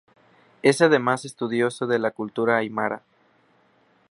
Es además estudioso de la cultura aymara.